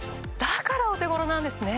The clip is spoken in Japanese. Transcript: だからお手頃なんですね。